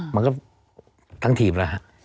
มันก็ทั้งทีมละ